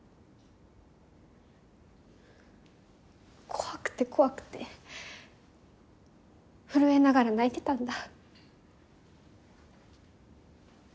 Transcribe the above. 怖くて怖くて震えながら泣いてたんだ。